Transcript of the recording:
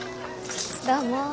どうも。